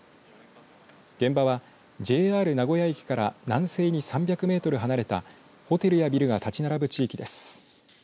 現場は、ＪＲ名古屋駅から南西に３００メートル離れたホテルやビルが建ち並ぶ地域です。